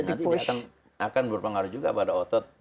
nanti akan berpengaruh juga pada otot